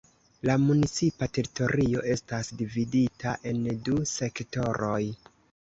La municipa teritorio estas dividita en du sektoroj.